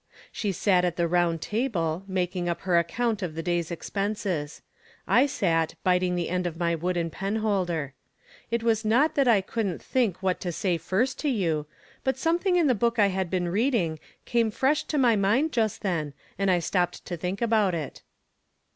She sat at the round table, mak ing up her account of the day's expenses. I sat biting the end of my wooden penholder. It was not that I couldn't think what to say first to you, but SQHiething in the book I had been reading came fresh to my mind just then, and I stopped to think it out.